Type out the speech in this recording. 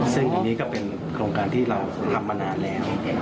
ซึ่งอันนี้ก็เป็นโครงการที่เราทำมานานแล้ว